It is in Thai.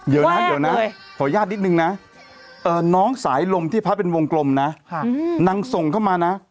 แคว้กเลยขออนุญาตนิดหนึ่งนะน้องสายลมที่พาเป็นวงกลมนะนังส่งเข้ามานะ